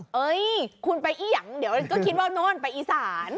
เฮ้ยคุณไปเอี่ยงเดี๋ยวก็คิดว่าโน่นไปอีสาน